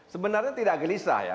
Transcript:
sebenarnya tidak gelisah ya